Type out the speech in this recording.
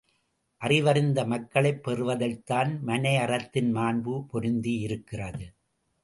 அறிவறிந்த மக்களைப் பெறுவதில்தான், மனையறத்தின் மாண்பு பொருந்தியிருக்கிறது.